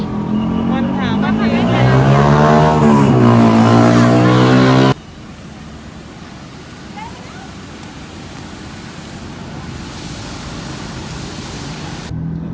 ออกไปแล้ว